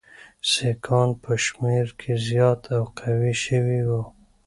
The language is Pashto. سیکهان په شمېر کې زیات او قوي شوي وو.